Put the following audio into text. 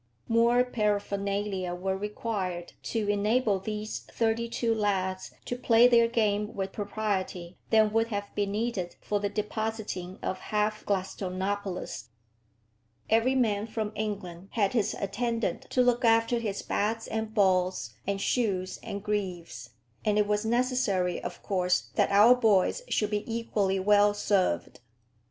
More paraphernalia were required to enable these thirty two lads to play their game with propriety than would have been needed for the depositing of half Gladstonopolis. Every man from England had his attendant to look after his bats and balls, and shoes and greaves; and it was necessary, of course, that our boys should be equally well served.